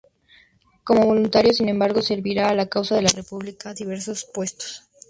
Como voluntario sin embargo, servirá a la causa de la República en diversos puestos.